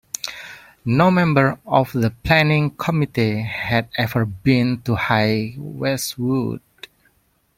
No member of the planning committee had ever been to High Westwood.